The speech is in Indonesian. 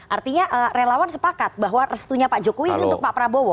artinya relawan sepakat bahwa restunya pak jokowi ini untuk pak prabowo